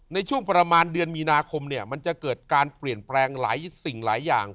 ในช่วงประมาณเดือนมีนาคมเนี่ยมันจะเกิดการเปลี่ยนแปลงหลายสิ่งหลายอย่าง